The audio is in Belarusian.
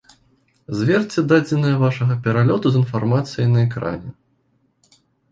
Зверце дадзеныя вашага пералёту з інфармацыяй на экране.